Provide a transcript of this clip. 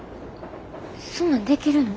そんなんできるの？